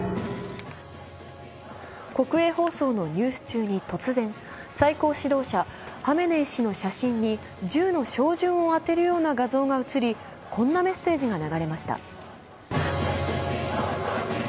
国営放送のニュース中に突然、最高指導者ハメネイ師の写真に銃の照準を当てるような画像が映りこんなメッセージが流れました。